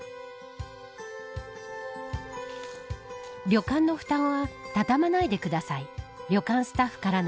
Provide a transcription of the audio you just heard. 旅館の布団はたたまないでください。